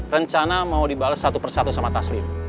rencana mau dibalas satu persatu sama taslim